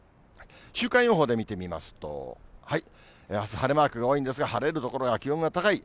週間予報で見てみますと、あす、晴れマークが多いんですが、晴れる所は気温が高い。